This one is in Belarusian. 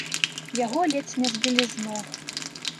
Яго ледзь не збілі з ног.